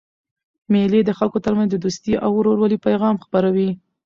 مېلې د خلکو ترمنځ د دوستۍ او ورورولۍ پیغام خپروي.